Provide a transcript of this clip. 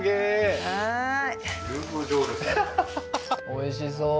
おいしそう